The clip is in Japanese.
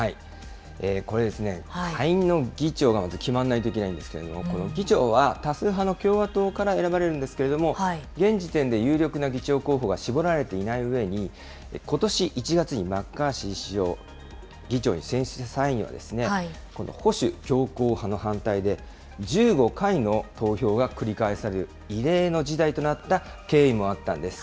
これですね、下院の議長が決まらないといけないんですけれども、議長は多数派の共和党から選ばれるんですけれども、現時点で有力な議長候補が絞られていないうえに、ことし１月にマッカーシー氏を議長に選出した際には、保守強硬派の反対で１５回の投票が繰り返される、異例の事態となった経緯もあったんです。